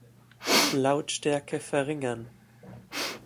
Lautstärke verringern!